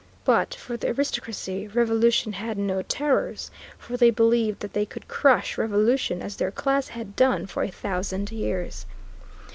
But for the aristocracy revolution had no terrors, for they believed that they could crush revolution as their class had done for a thousand years.